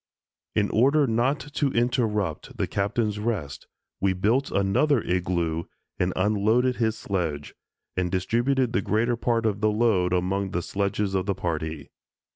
In order not to interrupt the Captain's rest, we built another igloo and unloaded his sledge, and distributed the greater part of the load among the sledges of the party.